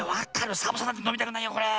サボさんだってのみたくないよこれ。